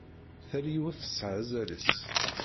Tal yiwet tesɛa azal-is.